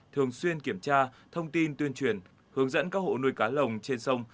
thường xuyên kiểm tra thông tin tuyên truyền hướng dẫn các hộ nuôi cá lồng trên sông